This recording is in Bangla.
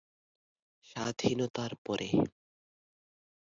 স্বাধীনতার পরে।